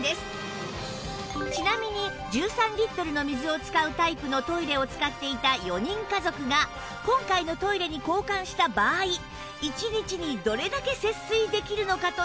ちなみに１３リットルの水を使うタイプのトイレを使っていた４人家族が今回のトイレに交換した場合１日にどれだけ節水できるのかというと